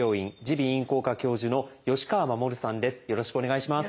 よろしくお願いします。